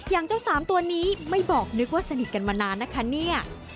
อย่างเจ้าสามตัวนี้ไม่บอกนึกว่าสนิทกันมานานนะคะเนี่ย